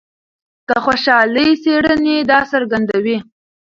د خوشحالۍ څېړنې دا څرګندوي.